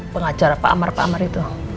pengacara pak amar pak amar itu